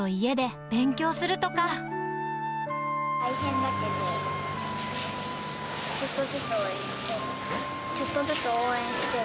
大変だけど、ちょっとずつ応援してる。